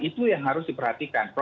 itu yang harus diperhatikan